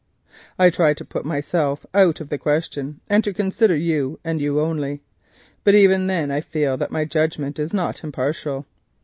I try to put myself out of the question and to consider you, and you only; but even then I fear that my judgment is not impartial.